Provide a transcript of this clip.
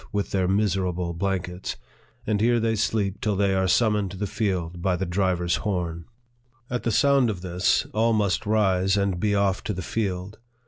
11 with their miserable blankets ; and here they sleep till they are summoned to the field by the driver's horn. At the sound of this, all must rise, and be off to the field.